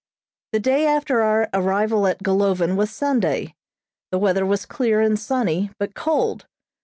The day after our arrival at Golovin was Sunday. The weather was clear and sunny, but cold.